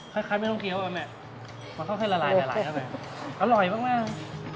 คล้ายไม่ต้องเคี้ยวอันนี้มันเข้าให้ละลายอันนี้อร่อยมาก